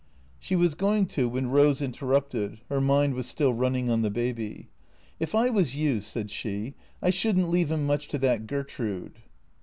She was going to when Eose interrupted (her mind was still running on the baby). " If I was you," said she, " I should n't leave 'im much to that Gertrude."